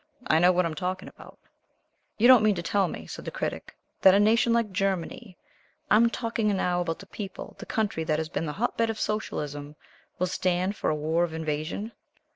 I know what I am talking about." "You don't mean to tell me," said the Critic, "that a nation like Germany I'm talking now about the people, the country that has been the hot bed of Socialism, will stand for a war of invasion?"